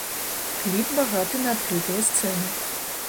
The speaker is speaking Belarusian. Кліп багаты на адкрытыя сцэны.